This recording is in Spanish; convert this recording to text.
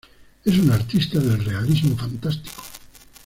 Es un artista del Realismo fantástico.